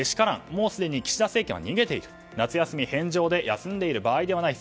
もうすでに岸田政権は逃げている夏休み返上で休んでいる場合ではない。